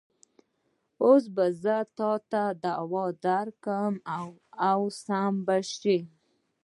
اوس به زه تاته دوا درکړم او سم به شې.